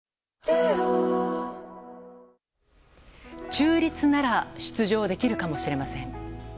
中立なら出場できるかもしれません。